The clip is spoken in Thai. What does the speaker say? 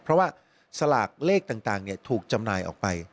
เพราะว่าสลากเลขต่างถูกจำหน่ายออกไป